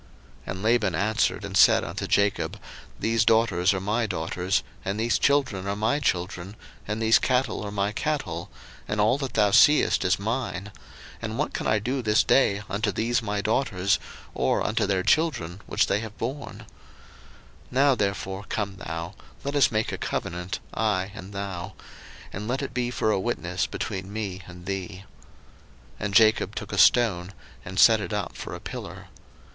01:031:043 And Laban answered and said unto Jacob, These daughters are my daughters, and these children are my children, and these cattle are my cattle, and all that thou seest is mine: and what can I do this day unto these my daughters, or unto their children which they have born? 01:031:044 Now therefore come thou, let us make a covenant, I and thou; and let it be for a witness between me and thee. 01:031:045 And Jacob took a stone, and set it up for a pillar.